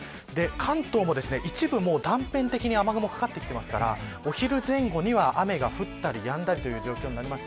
関東も一部、断片的に雨雲かかってきていますからお昼前後には雨が降ったりやんだりという状況になります。